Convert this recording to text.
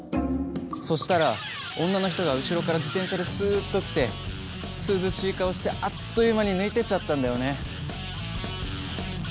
そしたら女の人が後ろから自転車でスッと来て涼しい顔してあっという間に抜いてっちゃったんだよね。